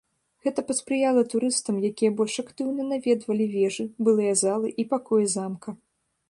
Гэта паспрыяла турыстам, якія больш актыўна наведвалі вежы, былыя залы і пакоі замка.